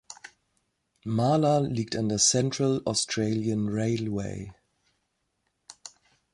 Marla liegt an der Central Australian Railway.